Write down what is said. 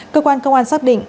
cơ quan công an xác định